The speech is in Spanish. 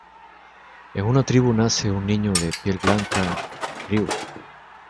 En una tribu nace un niño de piel blanca, Ryū.